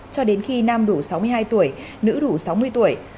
cho đến khi nam đủ sáu mươi hai tuổi nữ đủ sáu mươi tuổi